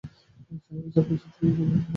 শাহনাজ ঢাকা বাংলাদেশে জন্মগ্রহণ করেন।